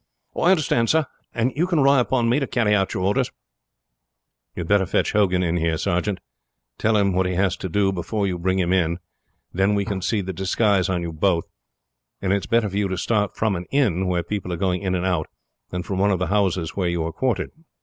"I understand, sir, and you can rely upon me to carry out your orders." "You had better fetch Hogan in here, sergeant. Tell him what he has to do before you bring him in, then we can see the disguises on you both; and it's better for you to start from an inn, where people are going in and out, than from one of the houses where you are quartered."